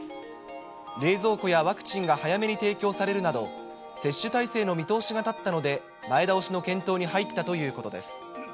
冷蔵庫やワクチンが早めに提供されるなど、接種体制の見通しが立ったので、前倒しの検討に入ったということです。